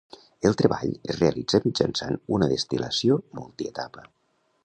El treball es realitza mitjançant una destil·lació multietapa.